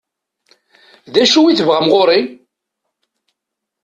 D acu i tebɣam ɣur-i?